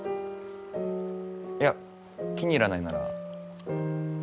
いや気に入らないなら。